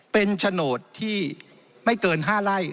เป็นโฉนดที่ไม่เกิน๕ไร่